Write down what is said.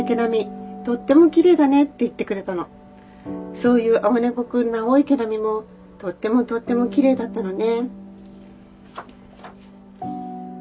そういうあおねこくんのあおいけなみもとってもとってもきれいだったのね」。